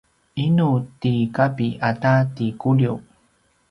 inu ti Kapi ata ti Kuliu?